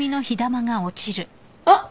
あっ！